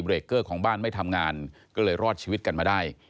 เกรอร์ของบ้านไม่ทำงานก็เลยรอดชีวิตกันมาได้